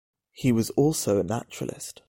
He was also a naturalist.